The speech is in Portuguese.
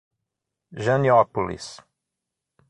Janiópolis